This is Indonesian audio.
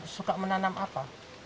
suka menanam apa